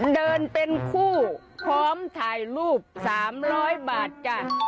เดินเป็นคู่พร้อมถ่ายรูป๓๐๐บาทจ้ะ